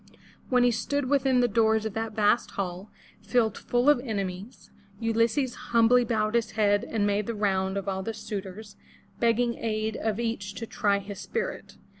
When he stood within the doors of that vast hall, filled full of enemies, Ulysses humbly bowed his head and made the round of all the suitors, begging aid of each to try his spirit.